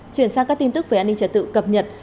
chuyển sang các tin tức về an ninh trật tự cập nhật